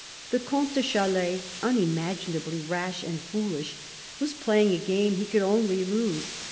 The Comte de Chalais, unimaginably rash and foolish, was playing a game he could only lose.